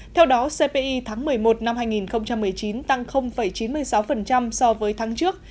theo đó cpi tháng một mươi một năm hai nghìn một mươi chín tăng chín mươi sáu so với tháng trước